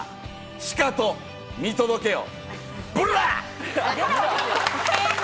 しかと見届けよ！